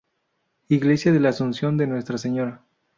Iglesia de "La Asunción de Nuestra Señora.